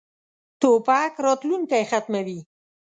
توپک راتلونکی ختموي.